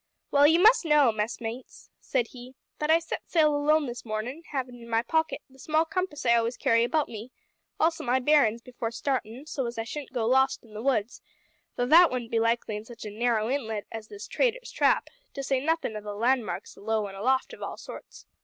"Well, you must know, messmates," said he, "that I set sail alone this mornin', havin' in my pocket the small compass I always carry about me also my bearin's before startin', so as I shouldn't go lost in the woods though that wouldn't be likely in such an narrow inlet as this Traitor's Trap, to say nothin' o' the landmarks alow and aloft of all sorts.